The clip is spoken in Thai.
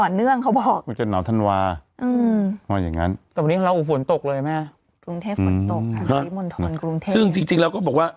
เขาบอกความหนาวไม่ปรากฏ